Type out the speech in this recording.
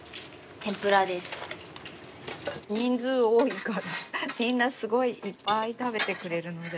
みんなすごいいっぱい食べてくれるのでいっぱい。